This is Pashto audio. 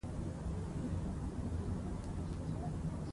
د تزویر او د ریا پردې کړو څیري